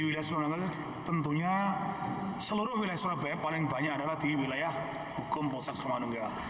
wilayah kemenangan tentunya seluruh wilayah surabaya paling banyak adalah di wilayah hukum polsek kemandungga